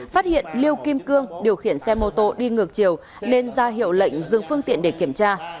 phát hiện liêu kim cương điều khiển xe mô tô đi ngược chiều nên ra hiệu lệnh dừng phương tiện để kiểm tra